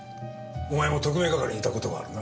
お前も特命係にいた事があるな？